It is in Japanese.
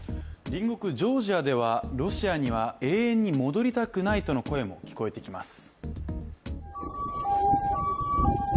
隣国ジョージアでは、ロシアには永遠に戻りたくないとの声も聞こえてきます。